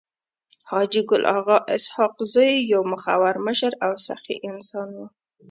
حاجي ګل اغا اسحق زی يو مخور مشر او سخي انسان وو.